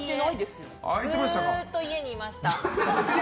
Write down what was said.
ずっと家にいました。